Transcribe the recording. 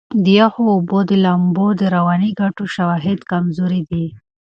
د یخو اوبو د لامبو د رواني ګټو شواهد کمزوري دي.